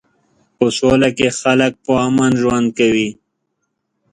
په سوله کې خلک په امن ژوند کوي.